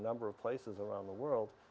di beberapa tempat di seluruh dunia